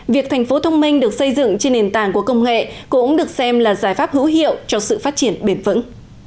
việc thành phố thông minh được xây dựng trên nền tảng của công nghệ cũng được xem là giải pháp hữu hiệu cho sự phát triển bền vững